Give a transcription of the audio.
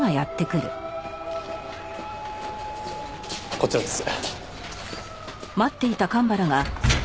こちらです。